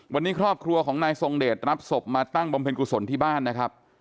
วันนี้ครอบครัวของนายทรงเดชรับศพมาตั้งบำเพ็ญกุศลที่บ้านนะครับ